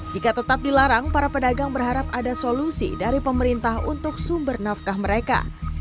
jika tetap dilarang para pedagang berharap ada solusi dari pemerintah untuk sumber nafkah mereka